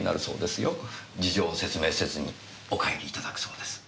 事情を説明せずにお帰りいただくそうです。